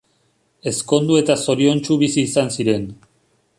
Ezkondu eta zoriontsu bizi izan ziren.